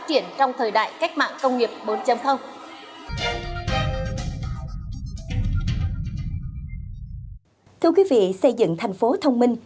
thưa quý vị xây dựng thành phố thông minh